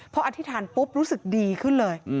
พออธิษฐานปุ๊บรู้สึกดีขึ้นเลย